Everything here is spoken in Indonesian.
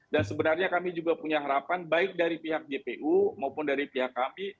dan sebenarnya kami juga punya harapan baik dari pihak gpu maupun dari pihak kami